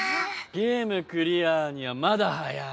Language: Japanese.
ゲームクリアにはまだ早い。